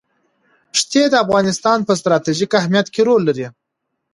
ښتې د افغانستان په ستراتیژیک اهمیت کې رول لري.